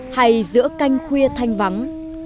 hay giữa canh khuya thanh vắng